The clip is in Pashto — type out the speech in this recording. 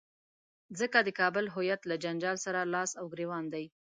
ځکه د کابل هویت له جنجال سره لاس او ګرېوان دی.